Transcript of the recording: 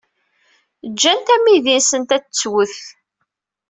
Ǧǧant amidi-nsent ad tettwet.